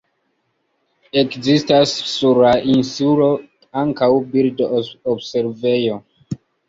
Ekzistas sur la insulo ankaŭ birdo-observejo.